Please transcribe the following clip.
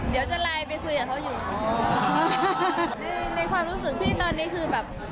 เดี๋ยวจะไลน์ไปคุยกับเขาอยู่ในในความรู้สึกพี่ตอนนี้คือแบบ